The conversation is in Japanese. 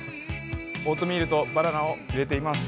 オートミールとバナナを入れています。